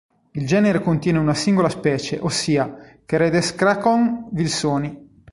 Il genere contiene una singola specie, ossia "Keresdrakon vilsoni".